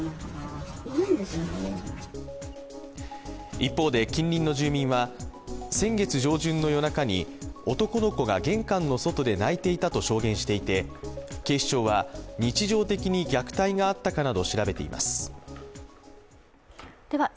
一方で近隣の住民は先月上旬の夜中に男の子が玄関の外で泣いていたと証言していて警視庁は日常的に虐待があったかなど調べています。